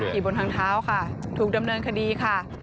บนทางเท้าค่ะถูกดำเนินคดีค่ะ